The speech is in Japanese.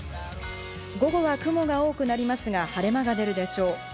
午後は雲が多くなりますが、晴れ間が出るでしょう。